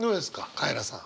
カエラさん。